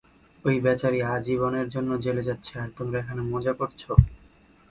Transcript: ঐ বেচারি আজীবনের জন্য জেলে যাচ্ছে আর তোমরা এখানে মজা করছ।